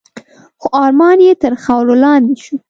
خو ارمان یې تر خاورو لاندي شو .